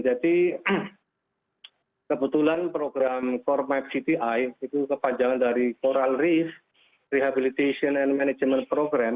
jadi kebetulan program coremap cti itu kepanjangan dari coral reef rehabilitation and management program